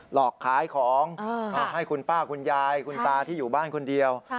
หลอกขายของให้คุณป้าคุณยายคุณตาที่อยู่บ้านคนเดียว